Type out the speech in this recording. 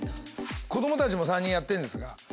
子供たちも３人やってるんです。